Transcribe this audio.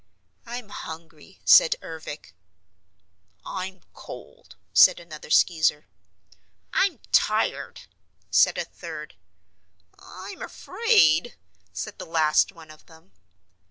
"I'm hungry," said Ervic. "I'm cold," said another Skeezer. "I'm tired," said a third. "I'm afraid," said the last one of them.